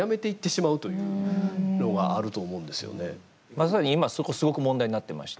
まさに今そこすごく問題になってまして。